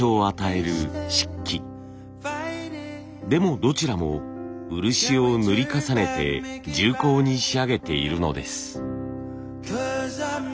でもどちらも漆を塗り重ねて重厚に仕上げているのです。